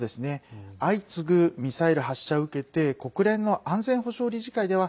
相次ぐミサイル発射を受けて国連の安全保障理事会では